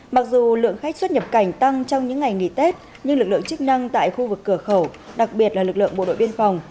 mặc dù lượng khách xuất nhập cảnh tăng trong những ngày nghỉ tết nhưng lực lượng chức năng tại khu vực cửa khẩu đặc biệt là lực lượng bộ đội biên phòng